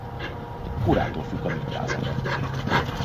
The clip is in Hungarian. Korától függ a mintázata.